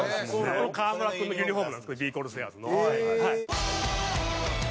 河村君のユニホームなんですけどビー・コルセアーズの。